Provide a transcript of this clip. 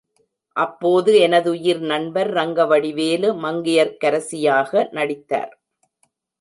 அப்போது எனதுயிர் நண்பர் ரங்கவடிவேலு, மங்கையர்க்கரசியாக நடித்தார்.